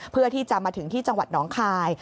เพื่อที่จะมาถึงที่จังหวัดน้องคาย